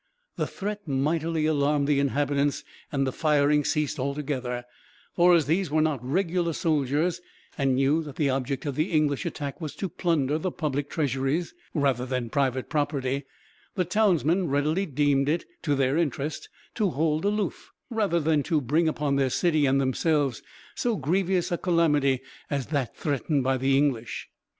This threat mightily alarmed the inhabitants, and the firing ceased altogether; for as these were not regular soldiers, and knew that the object of the English attack was to plunder the public treasuries, rather than private property, the townsmen readily deemed it to their interest to hold aloof, rather than to bring upon their city and themselves so grievous a calamity as that threatened by the English.